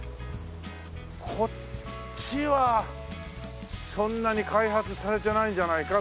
こっちはそんなに開発されてないんじゃないか？